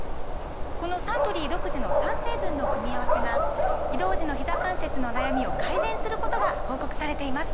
このサントリー独自の３成分の組み合わせが移動時のひざ関節の悩みを改善することが報告されています